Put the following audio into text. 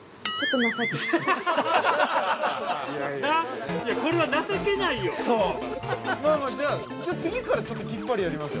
◆まあまあ、じゃあ、次からちょっときっぱりやりますよ。